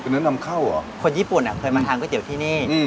แนะนำเข้าเหรอคนญี่ปุ่นเคยมาทานก๋วเตี๋ยที่นี่